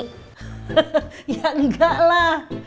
hehehe ya enggak lah